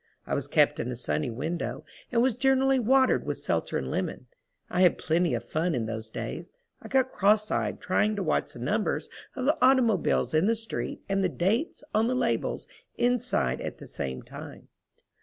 I was kept in a sunny window, and was generally watered with seltzer and lemon. I had plenty of fun in those days. I got cross eyed trying to watch the numbers of the automobiles in the street and the dates on the labels inside at the same time.